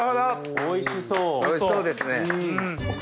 おいしそう！